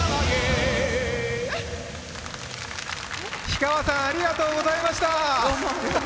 氷川さん、ありがとうございました。